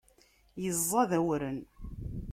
Yeẓẓad awren.